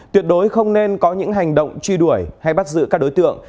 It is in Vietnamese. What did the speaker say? tuyệt đối không nên có những hành động truy đuổi hay bắt giữ các đối tượng